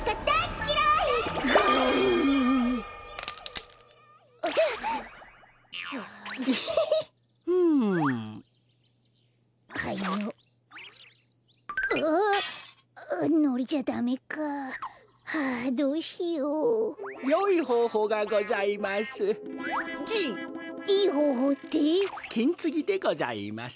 きんつぎでございます。